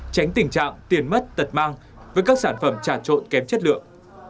tránh tình trạng tiền mất tật mang với các sản phẩm trà trộn kém chất lượng